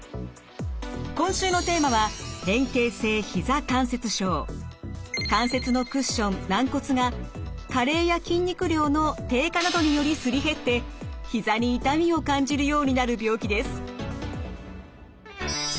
今週のテーマは関節のクッション軟骨が加齢や筋肉量の低下などによりすり減ってひざに痛みを感じるようになる病気です。